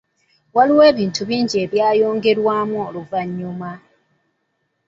Waaliwo ebintu bingi ebyayongerwamu oluvannyuma.